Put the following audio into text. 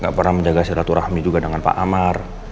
gak pernah menjaga silaturahmi juga dengan pak amar